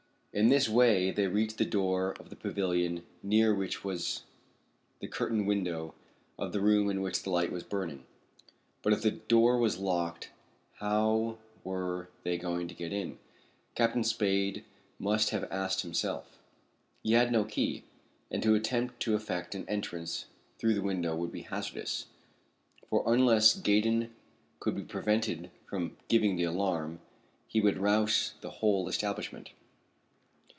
In this way they reached the door of the pavilion near which was the curtained window of the room in which the light was burning. But if the door was locked, how were they going to get in? Captain Spade must have asked himself. He had no key, and to attempt to effect an entrance through the window would be hazardous, for, unless Gaydon could be prevented from giving the alarm, he would rouse the whole establishment.